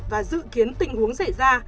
và dự kiến tình huống xảy ra